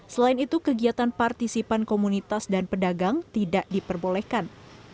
selain itu kegiatan partisipan komunitas dan pedagang tidak diperbolehkan